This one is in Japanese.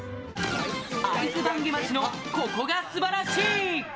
会津坂下町のここがすばらしい！